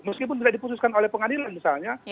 meskipun tidak diputuskan oleh pengadilan misalnya